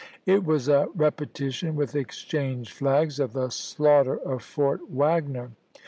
It was a repetition, with exchanged flags, of the slaughter of Fort Wagner.